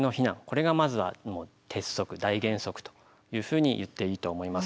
これがまずは鉄則大原則というふうに言っていいと思います。